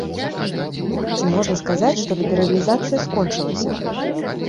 Ці можна казаць, што лібералізацыя скончылася?